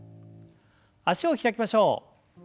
脚を開きましょう。